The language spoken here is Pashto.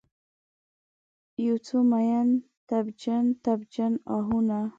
یوڅو میین، تبجن، تبجن آهونه